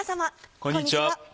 こんにちは。